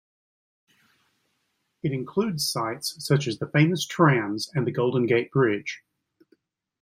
It includes sights such as the famous trams and the Golden Gate Bridge.